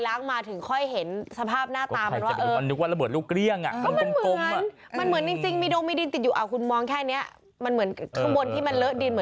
ลอเกาอี้ลอเกาอี้มันเหมือนนะคุณเอาจริงเนี่ย